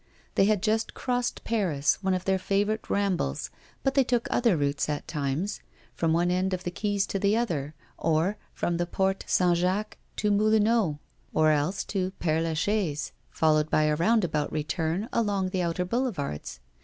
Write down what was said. They had just crossed Paris, one of their favourite rambles, but they took other routes at times from one end of the quays to the other; or from the Porte St. Jacques to the Moulineaux, or else to Père la Chaise, followed by a roundabout return along the outer boulevards.